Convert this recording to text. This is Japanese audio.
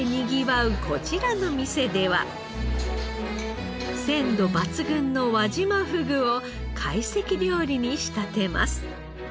こちらの店では鮮度抜群の輪島ふぐを会席料理に仕立てます。